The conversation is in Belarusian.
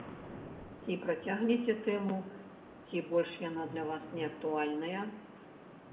Ці працягнеце тэму, ці больш яна для вас не актуальная?